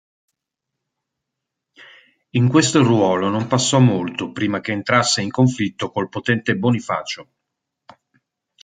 In questo ruolo non passò molto prima che entrasse in conflitto col potente Bonifacio.